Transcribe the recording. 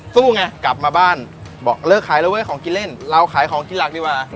ไงกลับมาบ้านบอกเลิกขายแล้วเว้ยของกินเล่นเราขายของกินหลักดีกว่า